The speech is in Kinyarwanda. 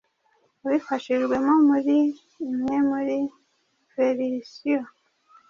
abifashijwemo muri imwe muri verisiyo